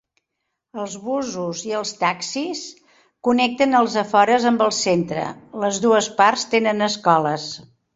Els busos i els taxis connecten els afores amb el centre. Les dues parts tenen escoles.